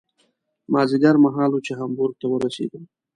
مازدیګر مهال و چې هامبورګ ته ورسېدو.